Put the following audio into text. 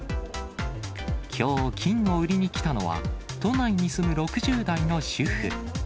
きょう、金を売りに来たのは、都内に住む６０代の主婦。